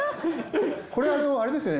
これはあれですよね？